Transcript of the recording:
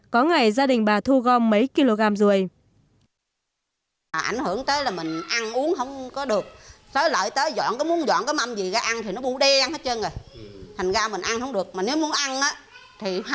có ngày gia đình bà thu gom mấy kg ruồi